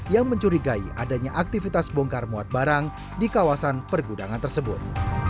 yang mencurigai adanya aktivitas bongkar muat barang di kawasan pergudangan tersebut